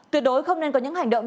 tuyệt đối không nên có những hành động